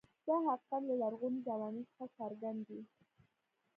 دا حقیقت له لرغونې زمانې څخه څرګند دی.